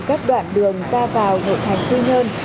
các đoạn đường ra vào nội thành khuyên nhân